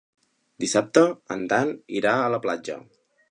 Dissabte en Dan irà a la platja.